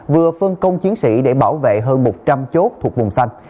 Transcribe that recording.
vừa phân công chiến sĩ để bảo vệ hơn một trăm linh chốt thuộc vùng xanh